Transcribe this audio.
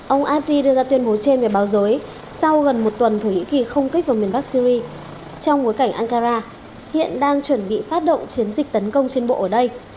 ông abdi đưa ra tuyên bố trên về báo giới sau gần một tuần thổ nhĩ kỳ không kích vào miền bắc syri trong bối cảnh ankara hiện đang chuẩn bị phát động chiến dịch tấn công trên bộ ở đây